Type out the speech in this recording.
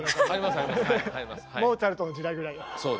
モーツァルトの時代ぐらいに。